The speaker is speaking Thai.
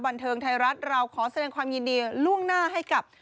บันเทิงไทยรัฐเราขอแสดงความยินดีล่วงหน้าให้กับ